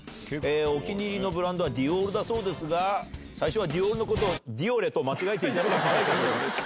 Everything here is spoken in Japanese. お気に入りのブランドはＤＩＯＲだそうですが、最初はＤＩＯＲのことをディオレと間違えていたのがかわいかった。